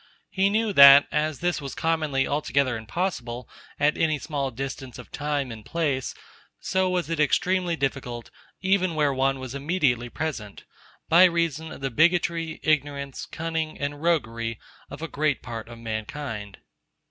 He knew, that, as this was commonly altogether impossible at any small distance of time and place; so was it extremely difficult, even where one was immediately present, by reason of the bigotry, ignorance, cunning, and roguery of a great part of mankind.